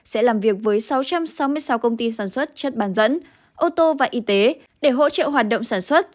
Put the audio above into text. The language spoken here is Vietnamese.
sẽ làm việc với sáu trăm sáu mươi sáu công ty sản xuất chất bàn dẫn ô tô và y tế để hỗ trợ hoạt động sản xuất